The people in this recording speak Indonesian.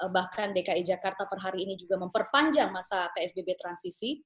bahkan dki jakarta per hari ini juga memperpanjang masa psbb transisi